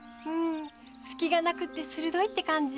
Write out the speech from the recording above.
隙がなくって鋭いって感じ。